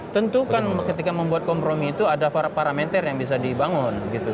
tentu kan ketika membuat kompromi itu ada parameter yang bisa dibangun